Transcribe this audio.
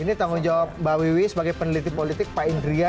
ini tanggung jawab mbak wiwi sebagai peneliti politik pak indria